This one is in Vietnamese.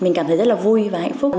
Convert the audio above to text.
mình cảm thấy rất là vui và hạnh phúc